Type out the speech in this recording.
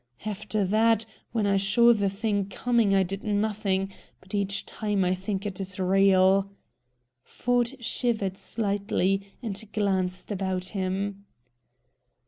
After that, when I saw the thing coming I did nothing. But each time I think it is real." Ford shivered slightly and glanced about him.